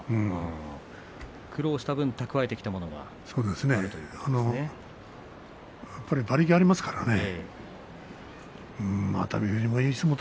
苦労した分蓄えてきたものがある馬力がありますからね。